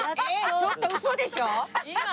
ちょっとウソでしょ！？